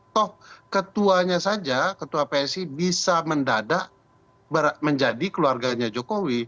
toh ketuanya saja ketua psi bisa mendadak menjadi keluarganya jokowi